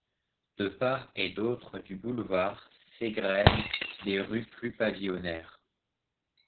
De part et d'autre du boulevard, s'égrainent des rues plus pavillonnaires.